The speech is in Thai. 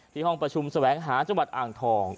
ห้องประชุมแสวงหาจังหวัดอ่างทอง